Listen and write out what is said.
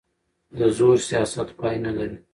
د زور سیاست پای نه لري